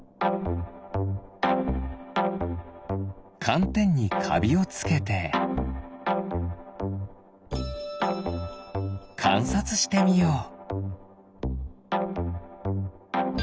かんてんにかびをつけてかんさつしてみよう。